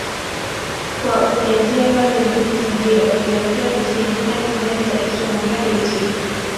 kwa ukianzia pale mjini Singida ukielekea Kusini hadi sehemu za Issuna hadi Itigi